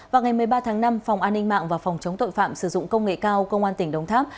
vào ngày một mươi ba tháng năm phòng an ninh mạng và phòng chống tội phạm sử dụng công nghệ cao công an tỉnh đồng tháp